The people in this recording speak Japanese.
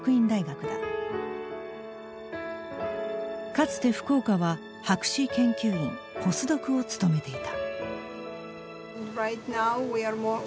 かつて福岡は博士研究員ポスドクを務めていた。